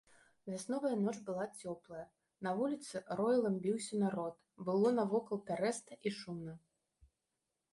Вясновая ноч была цёплая, на вуліцы роілам біўся народ, было навокал пярэста і шумна.